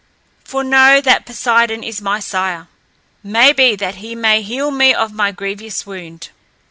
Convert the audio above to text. For know that Poseidon is my sire. May be that he may heal me of my grievous wound."